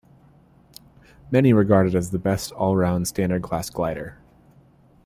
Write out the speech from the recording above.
Many regard it as the best all-round standard class glider.